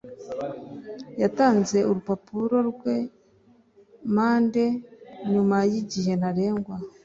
yatanze urupapuro rwe manda nyuma yigihe ntarengwa.